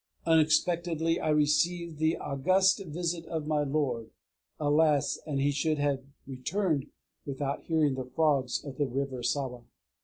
"Unexpectedly I received the august visit of my lord.... Alas, that he should have returned without hearing the frogs of the river Sawa!"